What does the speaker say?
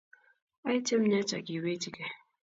Ae chemyach akiwechi kei